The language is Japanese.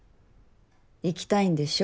行きたいんでしょ？